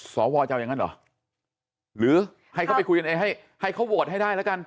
สวจะเอาอย่างนั้นเหรอหรือให้เขาไปคุยกันเองให้เขาโหวตให้ได้แล้วกัน